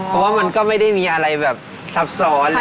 เพราะว่ามันก็ไม่ได้มีอะไรแบบซับซ้อน